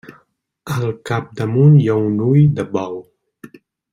Al capdamunt hi ha un ull de bou.